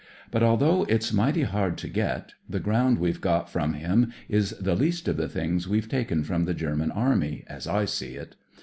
But, although it's mighty hard to get, the ground weVe got from him is the least of the things we Ve taken from the German Army, as I see it.